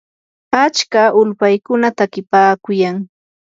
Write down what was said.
achka ulpaykuna takipaakuyan.